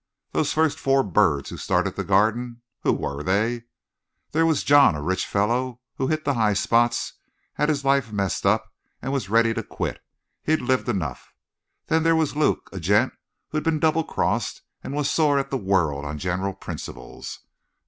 "Those first four birds who started the Garden, who were they? There was John, a rich fellow who'd hit the high spots, had his life messed up, and was ready to quit. He'd lived enough. Then there was Luke, a gent who'd been double crossed and was sore at the world on general principles.